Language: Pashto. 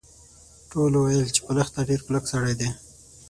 ټولو ویل چې په لښته ډیر کلک سړی دی.